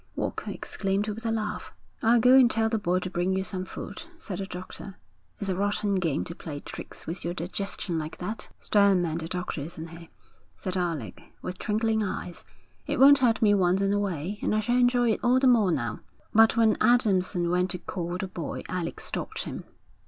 Walker exclaimed with a laugh. 'I'll go and tell the boy to bring you some food,' said the doctor. 'It's a rotten game to play tricks with your digestion like that.' 'Stern man, the doctor, isn't he?' said Alec, with twinkling eyes. 'It won't hurt me once in a way, and I shall enjoy it all the more now.' But when Adamson went to call the boy, Alec stopped him.